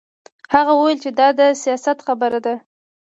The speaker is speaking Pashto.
هغه وویل چې دا د سیاست خبره ده